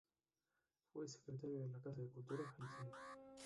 Fue secretario de la Casa de Cultura Jalisciense.